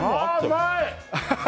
うまい！